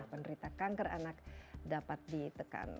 penderita kanker anak dapat ditekan